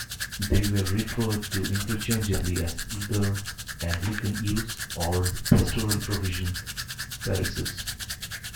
They were referred to interchangeably as either "Anglican Use" or "Pastoral Provision" parishes.